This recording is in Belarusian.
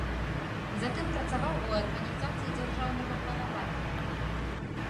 Затым працаваў у арганізацыі дзяржаўнага планавання.